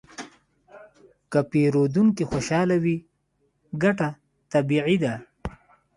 که پیرودونکی خوشحاله وي، ګټه طبیعي ده.